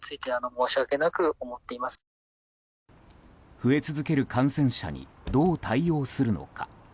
増え続ける感染者にどう対応するのか。